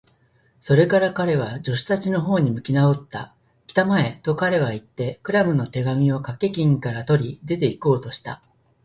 それから彼は、助手たちのほうに向きなおった。「きたまえ！」と、彼はいって、クラムの手紙をかけ金から取り、出ていこうとした。